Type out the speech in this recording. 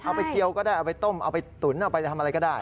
เจียวก็ได้เอาไปต้มเอาไปตุ๋นเอาไปทำอะไรก็ได้